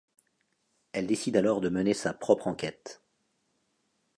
Elle décide alors de mener sa propre enquête.